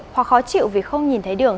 hoặc khó chịu vì không nhìn thấy đường